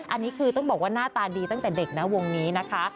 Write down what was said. อันนี้คือต้องบอกว่าหน้าตาดีตั้งแต่เด็กนะวงนี้นะคะ